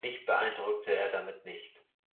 Mich beeindruckte er damit nicht.